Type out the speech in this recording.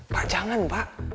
pak jangan pak